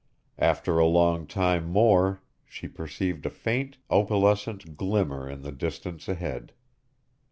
After a long time more she perceived a faint, opalescent glimmer in the distance ahead.